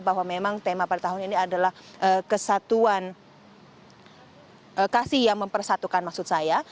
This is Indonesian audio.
bahwa memang tema pada tahun ini adalah kesatuan kasih yang mempersatukan maksud saya